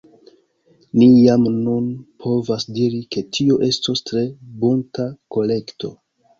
Ni jam nun povas diri ke tio estos tre bunta kolekto.